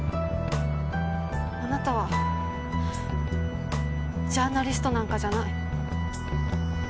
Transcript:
あなたはジャーナリストなんかじゃない。